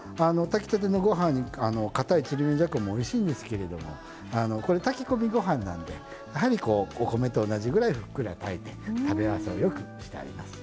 炊きたてのご飯にかたいちりめんじゃこもおいしいんですけれどもこれ炊き込みご飯なんでやはりこうお米と同じぐらいふっくら炊いて食べ合わせをよくしてあります。